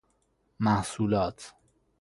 محصولات